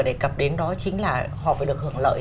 đề cập đến đó chính là họ phải được hưởng lợi